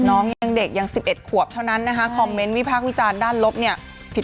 น้องยังเด็กยัง๑๑ขวบเท่านั้นนะคะคอมเมนต์วิพากษ์วิจารณ์ด้านลบเนี่ยผิด